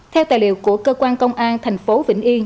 theo tài liệu của cơ quan công an thành phố vĩnh yên